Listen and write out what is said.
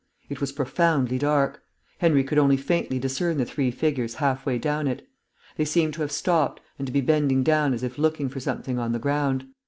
It was profoundly dark; Henry could only faintly discern the three figures half way down it. They seemed to have stopped, and to be bending down as if looking for something on the ground.